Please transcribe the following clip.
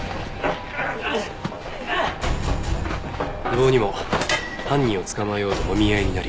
無謀にも犯人を捕まえようともみ合いになり。